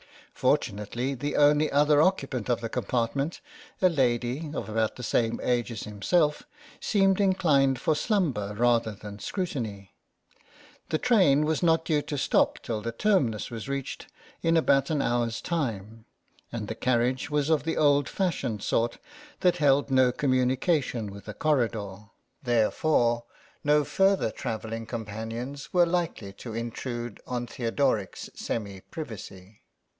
Fortunately the only other occupant of the compartment, a lady of about the same age as himself, seemed ii8 THE MOUSE inclined for slumber rather than scrutiny; the train was not due to stop till the terminus was reached, in about an hour's time, and the carriage was of the old fashioned sort, that held no communication with a corridor, therefore no further travelling companions were likely to intrude on Theodoric's semi privacy.